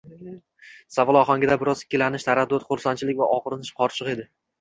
savol ohangimda biroz ikkilanish, taraddud, xursandlik va og`rinish qorishiq edi